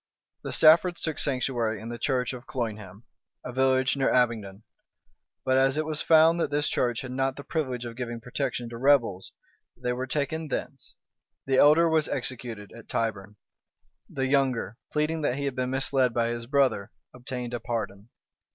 The Staffords took sanctuary in the church of Colnham, a village near Abingdon; but as it was found that this church had not the privilege of giving protection to rebels, they were taken thence; the elder was executed at Tyburn; the younger, pleading that he had been misled by his brother, obtained a pardon.